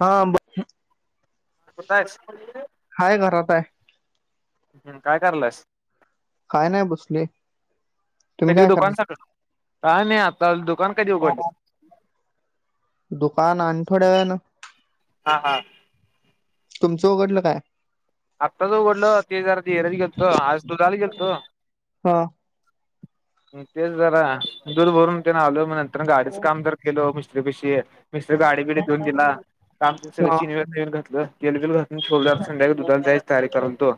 हा बरी कुठायस हाय घरात हाय हम् काय करलायस काय नाय बसलोय तुम्ही कधी काय दुकान करलाय सा काय नाही आता दुकान कधी उघडलं दुकान आणि थोड्या वेळानं हा हा तुमचं उघडलंय काय आत्ताच उघडलं ते जरा शेजारी गेलतो आज दुधाला गेलतो हा तेच जरा दूध भरून ते न आलो मग नंतर गाडीचं काम करत गेलो मिस्त्री पशी मिस्तरी गाडी बिडी देऊन गेला... काम सगळं हा चैन ते नवी घातलं तेलबिल घालून ठेवले आता संध्याकाळी दुधाला जायाची तयारी करत होतो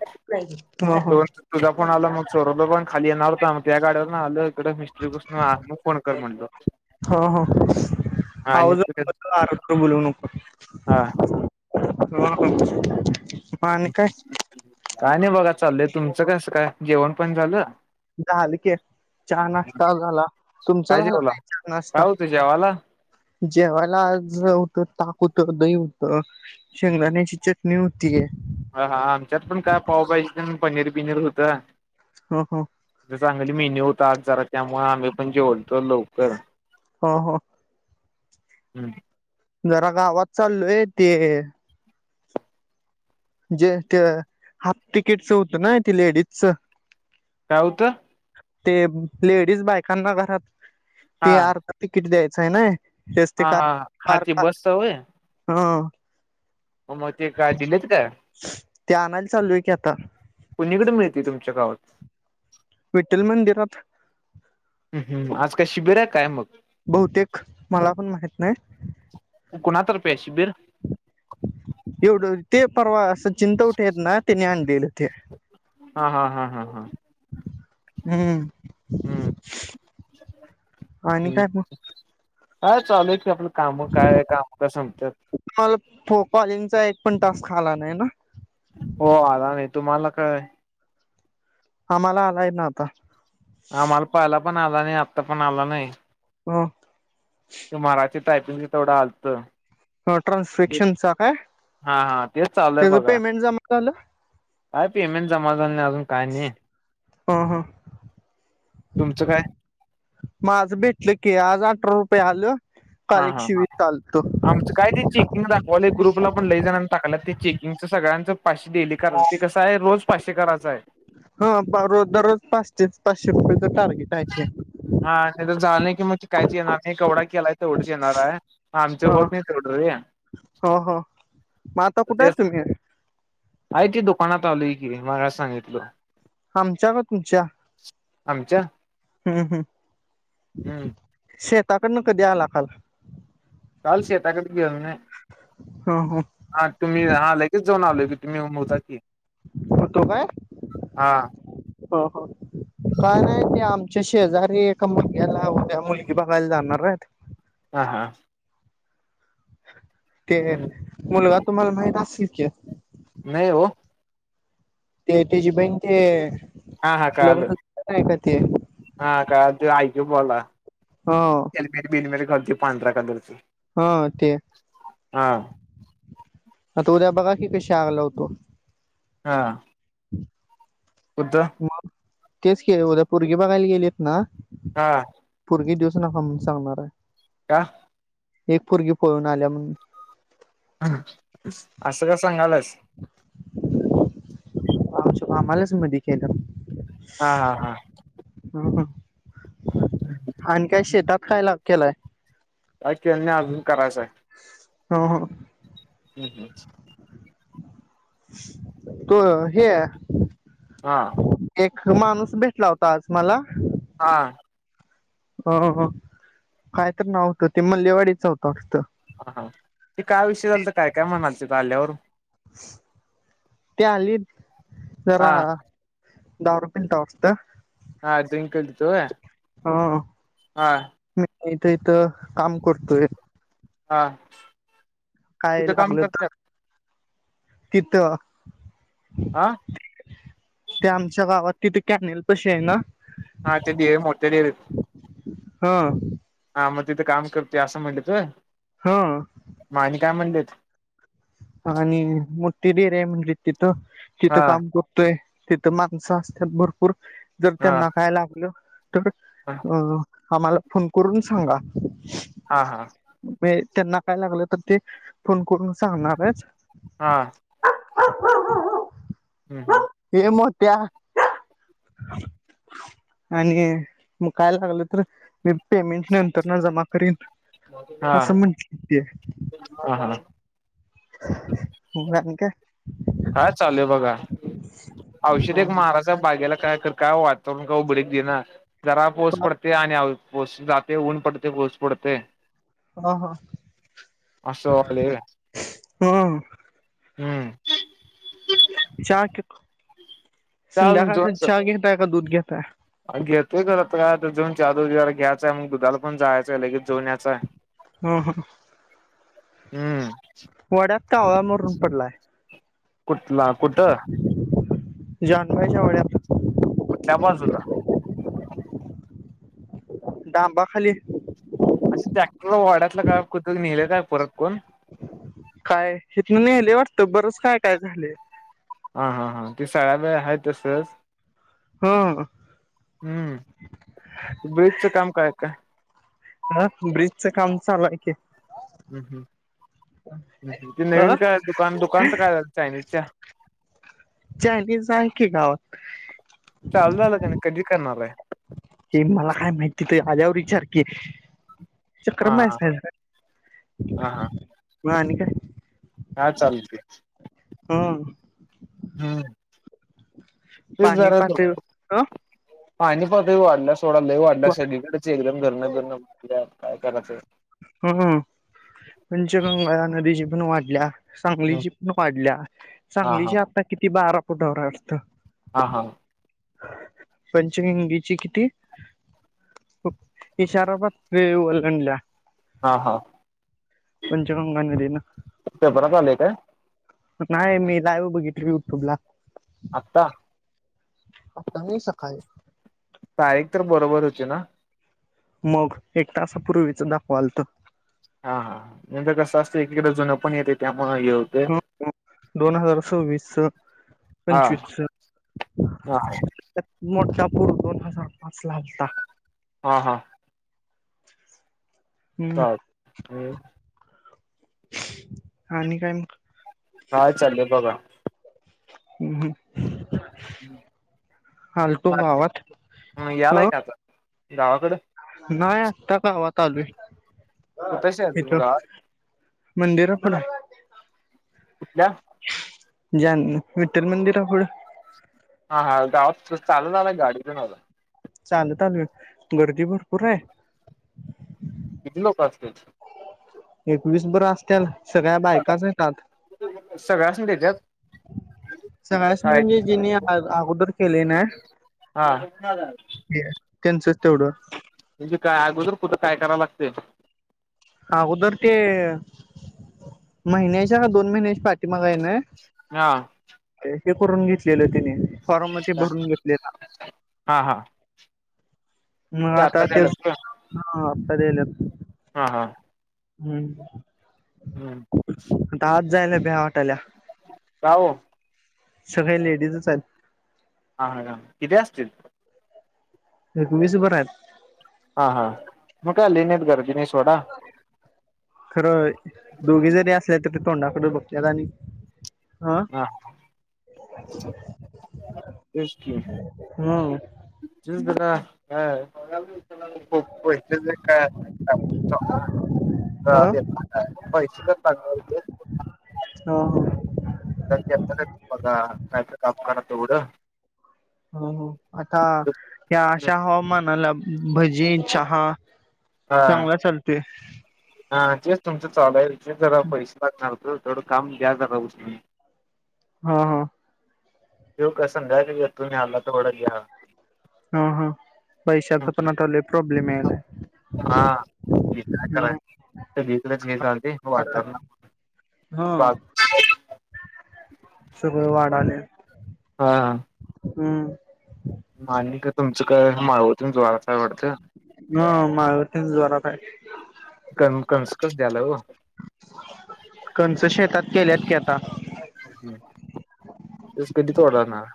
हा हा तोवर तुझा फोन आला मग तो सौरभला पण खाली येणार मग त्या गाड्यावरनं आलो इकडं मिस्तरी पासून आतून फोन कर म्हणलो हा हा आणि आवाज [inaudible] [inaudible] बोलवून हा मग आणि काय काय नाही बघा चाललंय तुमचं कसं काय जेवण पाणी झालं झालं की चहा नाश्ता झाला तुमचा काय झाला जेवला नाही चहा काय नाश्ता होतं जेवाला जेवायला आज होतं ताक होतं दही होतं शेंगदाण्याची चटणी होती ठीक ए हा आमच्यात पण काय पावभाजी आणि पनीर बिनीर होतं हो हो तिथं चांगली मेन्यू होता आज जरा त्यामुळे आम्ही पण जेवलतो लवकर हो हो हम् जरा गावात चाललोय ते जे ते हाफ तिकीटचं होतं ना ते लेडीजच काय होतं ते लेडीज बायकांना घरात हा ते अर्ध तिकीट द्यायचंय ना एस टी हा हा हा ते कार्ड बसच होय [inaudible] हा मग मग ते काय दिलेत का ते आणायला चाललोय की आता कुणीकडं मिळतं तुमच्या गावात विठ्ठल मंदिरात ह् हम् आज काय शिबिर हाय काय मग बहुतेक मला पण माहित नाही कुणा तर्फे हाय शिबिर एवढं ते परवा चिंताउठे आहेत ना तेने आणलेले ते हा हा हा हा हा हम्म. हम्म आणि काय मग. हा चालू की आपलं काम काय काम का संपतात. बॉलिंगचा एक पण टास्क आला नाही ना. हो आला नाही तुम्हाला काय. आम्हाला आलाय ना आता. आम्हाला पाहाला पण आला नाही आत्ता पण आला ना. ही. हा. टायपिंग तेवढं आलतं. ह ट्रान्फॅक्शनचा काय हा हा तेच चालूय त्याच बघा पेमेंट जमा झालं. काय पेमेंट जमा झालं नाही अजून काय नाही. हा हा. तुमचं काय माझं भेटल की आज अठरा रुपये आल. हा कालिक हा शिवी हा चालतो. ॉल एक ग्रुपला पण लई जाणार टाकला ते चेकिंग च सगळ्यांचं पाचशे डेली करायच कसं आहे रोज पाच. शे करायचं आहे. हा रज दररोज पाचश पाचशे रुपयाेच टार्गेट आहे. हा नाही तर झालं नाही की मग ते काहीच येणार नाही एवढा केलाय तेवढंच येणार आहे आमच ह होत नाही तेवढं. हो. [inaudible] हो हो. मग आता कुठे ते आहे तुम्ही आय तेी दुकानात आलय की मला सांगितलं. आमच्या का तुमच्या. आमच्या हम्म हम्म शेताकडनं कधी आला खल. काल शता कडे घ ना. ह ह हा तुम्ही हा लगेच जाऊन आलो की तुम्ही उमरता की. होतो काय हा हो हो काय नाही. आमच्या शेजारी एका मुलग्याला उद्या मुलगी बघायला जाणार आहेत. हा हा. ते मुलगा तुम्हाला माहित असेल की. नाहीव. ते त्याची बहिण ते. हा हा कळालं. लग्न नाही का ते हा काय त आऐक बोला ह एलमेरी बिलमेरी घाल पांढरा काधरची. हा हा. अ तोऱ्या बघा की कशा आगला होतो. हा. कुद्द. मग तेच के उद्या परगे बघायला गेलेत ना. हा. ग दिवस नका म सांगणार आहे. का. एक फुरगी पळून आल्या म्हणून. असं का सांगालच. आ आ मला सु म खेलं. हा हा हा. हम्म आणि काय शेतात कायला केलाय. का केल्य अजून करायचंय. हं हं हम्म हम् तो... हे हा माणूस भेटला होता आज मला हा अ काय तर नाव व्हतं, ते मल्लेवाडीच होतं वाटतं हा हा ते काय विषय झालता, काय काय म्हणाले तिथं आल्यावर ते आली हा जरा.. दारू पिलता वाटतं? हा ड्रिंक करतोय हा... मी इथं इथं काम करतोय. हा काय कुठं काम लागलं तर करत्यात तिथं, हा ते आमच्या गावात तिथं कॅनल पशी ए ना हा ते देव मोठे देव ए हा मग तिथं काम करतोय असं म्हटलंत व्हय? हा का म्हटलीत? आणि मोठी डेरी आहे म्हणजे तिथं, तिथं हा काम करतोय तिथं माणसं असतात भरपूर, जर हा त्यांना काय लागलं तर... हा हा अ आम्हाला फोन करून सांगा. हा हा म्हणजे त्यांना काय लागलं तर ते फोन करून सांगणारच हा ये मग त्या आणि मग काय लागलं तर मी पेमेंट नंतरन जमा करीन हा असं म्हटलीत ते? हा हा [unintelligible] हा चालू आहे बघा.. औषध हो एक मारायचं ए बागेला काय तर काय वातावरण का [unintelligible] ना जरा पाऊस हो पडतंय आणि पाऊस जाते, ऊन पडते... पाऊस पडते हा हा असं वाले हम् हम्म चहा... त्या संध्याकाळचं चहा जोन घेताय का दूध घेताय? घेतोय [unintelligible] चहा [unintelligible] मग दुधाला पण जायचंय लगेच जाऊन यायचंय हम्म हम् हम्म वाड्यात कावळा मरून पडलाय. कुठला कुठं? तुझ्या [unintelligible] वाड्यात त्या बाजूला [unintelligible] खाली असं ट्रॅक्टर वाड्यातलं का [unintelligible] नेलं काय परत कोण? काय हितनं नेलंय वाटतं, बरच काय काय झालंय हा हा हा ते [unintelligible] हाय तसंच ह हम्म, ब्रीजचं काम काय काय? हं, ब्रिजचं काम चालू हाय की हम् हम्म ते अ नवीन काय दुकान दुकानचं काय झालं चायनीजच्या? चायनिज आहे की गावात चालू झालं का नाही कधी करणार आहे हे मला काय माहिती त वर विचार की? हा चक्रम हायस हा काय मग आणि काय काय चालते. हम. हम. पाणी पाहतोय ओ पाणी पातळी वाढल्या सोडा लई वाढल्या सगळीकडच एकदम घरणं बिरण भरल्यात काय करायचं. हम्म हम् पंचगंगा नदीची पण वाढल्या. हम्म. सांगलीची पण वाढल्या हा हा सांगलीची आता किती बारा फुटावर हाय वाटत. हा हा. पंचगंगीची किती? इशारा पातळी वलंडल्या. हा हा. पंचगंगा नदीन पेपरात आलेय काय? नाही मी लाईव्ह बघितली युट्यूब ला. आत्ता? आता नाही सकाळी तारीख तर बरोबर होती ना. मग एक तासापूर्वीच दाखवालत हा हा नंतर कसं असतय एकीकदा जुन पण येतय त्यात दोन हजार सव्वीस च हा पंचवीस हा च, मोठा पूर दोन हजार पाच ला होता. हा हा. हम्म [unintelligible] आणि काय म, हाय चाललेल बघा. हम्म हम्. गावात [inaudible] यालाय अ काता गावाकडं. नाही अत्ता गावात आलोय कुठशी आहे तुम गावात? मंदिर आपल कुठल्या जान वीठ्ठल मंदिरापुढ. हा हा गावा कस चालत आला गाडी घेऊन आलाय चालत आलोय गर्दी भरपूर हाय किती लोक असत्यात एकवीस बरं असत्याल सगळ्या बायकाच हायत आत सगळा सगळ्यासनी देत्यात सगळासणी काय म्हणजे जिनी अगोदर केलय ना, हा. त्यांनचच तेवढं. म्हणजे काय अगोदर कुठं काय कराव लागतय अगोदर ते महिन्याच्या का दोन महिन्याच्या पाठी माग व्हय ना हा हे करून घेतलेलं तिने. फॉर्म ते भरून घेतलेला हा हा मग ते आता तेच द्यायल्यात होय हा अत्ता द्यायल्यात हा हा. हम्. हम्म. तात जायले बे्याात. काह? सगळे लेडीजच आहेत. हा, हा, ना, किथे असतील? तुम्ही सु बरह [unintelligible] हा हा मग काय लेण्यात गर्दीनेश खरं, दोघे जरी असले तर तोंडाकडं बघत्यात आणि हा तेच की, जस्ट आता काय खूप पैसे जे काय असल ते आपून ह सांग ह पैसेां [unintelligible] ह [unintelligible] बघा, काय त काम काढा तेवढं हुम हूं, आता या अशा हवामानाला, भजी, चहा हा चांगला चालते हा जेच तुमचं चालू हाय, जे जरा पैसे लागणार, तर तेवढं काम द्या जरा उसन हूं, हू त्यो कस संद्याकाळी मेट्रो आला, तर एवढा हम, हं, पैशाचा पण आता लय प्रॉब्लेम यायलाय हा, हे काय करायचं, सगळीकडेच हे चालते वातावरण हा बात सगळं वाड आलेत हा हम्म मान का तुमचं काय मावळात इऊन तुम्हालाच काय वाटत हा माळवती जोरात हाय क कसकस [unintelligible] द्याला हो कणसं शेतात केल्यात की आता ऊस कधी तोडणार?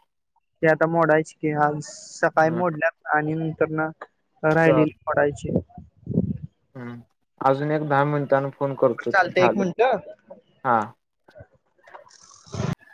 ते आता, मोडायचे की, आज सकाळी मोडल्यात आणि नंतर ना चाल राहिलेली पडायची हम्म, अजून एक, दहा मिनिटांन फोन करतो, ते चालतंय एक झालं, मिनिटं हा [inaudible]